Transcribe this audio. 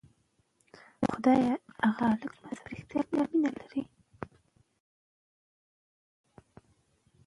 ذهني عکس العمل د بدو شیانو پر وړاندې طبيعي دی.